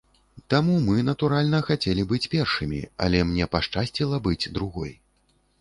Таму мы, натуральна, хацелі быць першымі, але мне пашчасціла быць другой.